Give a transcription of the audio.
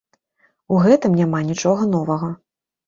У гэтым няма нічога новага.